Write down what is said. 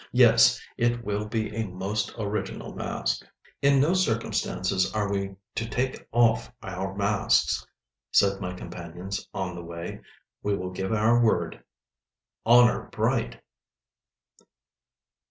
Yes, it will be a most original mask! "In no circumstances are we to take off our masks," said my companions on the way. "We will give our word." "Honour bright!"